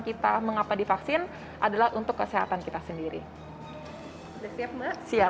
kita mengapa di vaksin adalah untuk kesehatan kita sendiri pola siap siap